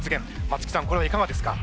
松木さんこれはいかがですか？